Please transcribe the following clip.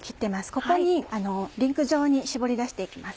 ここにリング状に絞り出して行きます。